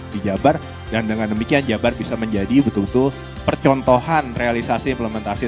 di jabar dan dengan demikian jabar bisa menjadi betul betul percontohan realisasi implementasi